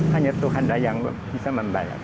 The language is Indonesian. hanya tuhan dah yang bisa membalas